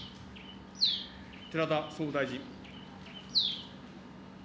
寺田総務大臣。